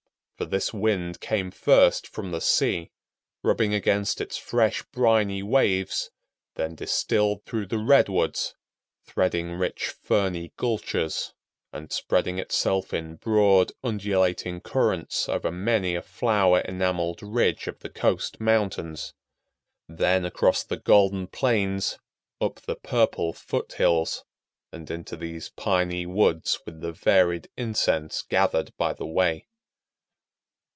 For this wind came first from the sea, rubbing against its fresh, briny waves, then distilled through the redwoods, threading rich ferny gulches, and spreading itself in broad undulating currents over many a flower enameled ridge of the coast mountains, then across the golden plains, up the purple foot hills, and into these piny woods with the varied incense gathered by the way.